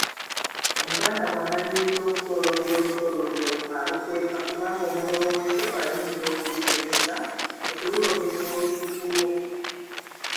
Omuganda bw’amaliriza okusolobya olusolobyo alukweka kubanga omulogo w’ensuku ayinza okululogesa olusuku lwo.